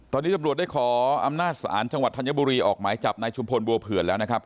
ตอนนี้ตำรวจได้ขออำนาจศาลจังหวัดธัญบุรีออกหมายจับนายชุมพลบัวเผื่อนแล้วนะครับ